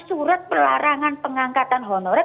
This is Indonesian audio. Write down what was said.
surat pelarangan pengangkatan honorat